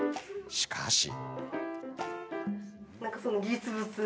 しかし。